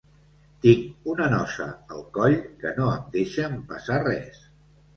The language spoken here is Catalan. Tinc una nosa al coll que no em deixa empassar res.